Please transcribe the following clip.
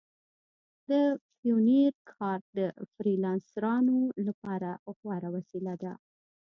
د پیونیر کارډ د فریلانسرانو لپاره غوره وسیله ده.